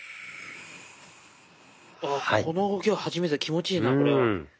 この動きは初めて気持ちいいなこれは。